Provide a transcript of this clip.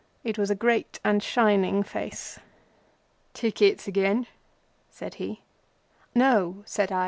It was a great and shining face. "Tickets again?" said he. "No," said I.